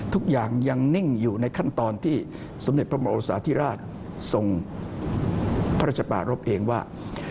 ทุกอย่างยังนิ่งอยู่ในขั้นตอนที่สมเด็จพระมหาวิทยาลัยศาสตร์ที่ราชทรงพระราชประรบเองว่า